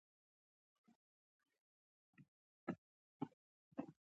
یو افسر د لاس په اشاره په قطار کې یو تن په ګوته کړ.